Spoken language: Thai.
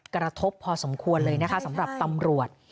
กระทบพอสมควรเลยนะคะสำหรับตำรวจ